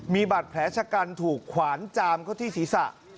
มีบาดแผลชะกันถูกขวานจามเข้าที่ศีรษะ